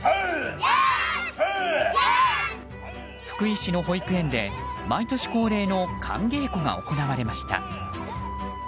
福井市の保育園で毎年恒例の寒稽古が行われました。